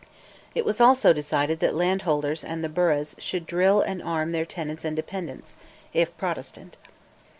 It was also decided that landholders and the burghs should drill and arm their tenants and dependants if Protestant.